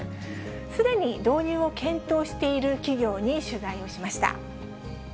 すでに導入を検討している企業に取材をしました。